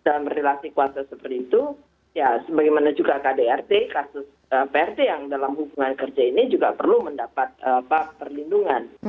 dan berrelasi kuasa seperti itu ya sebagaimana juga kdrt kasus prt yang dalam hubungan kerja ini juga perlu mendapat perlindungan